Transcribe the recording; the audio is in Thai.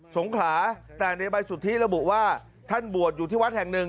สงขลาแต่ในใบสุทธิระบุว่าท่านบวชอยู่ที่วัดแห่งหนึ่ง